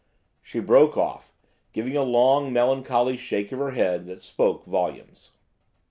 "–she broke off, giving a long, melancholy shake of her head that spoke volumes.